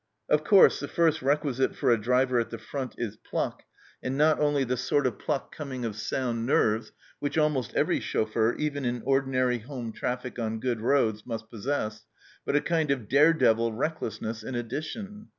Of course, the first requisite for a driver at the front is pluck, and not only the sort of pluck coming of sound nerves, which almost every chauffeur, even in ordinary home traffic on THE STEENKERKE HUT 237 good roads, must possess, but a kind of dare devil recklessness in addition.